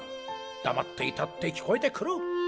だまっていたってきこえてくる！